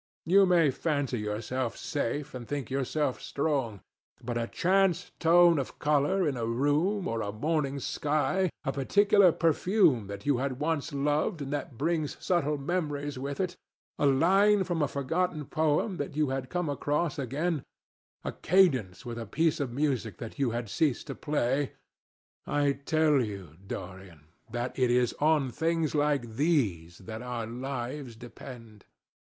You may fancy yourself safe and think yourself strong. But a chance tone of colour in a room or a morning sky, a particular perfume that you had once loved and that brings subtle memories with it, a line from a forgotten poem that you had come across again, a cadence from a piece of music that you had ceased to play—I tell you, Dorian, that it is on things like these that our lives depend.